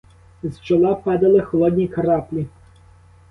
З чола падали холодні краплі.